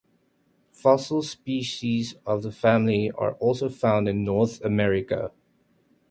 Fossil species of the family are also found in North America.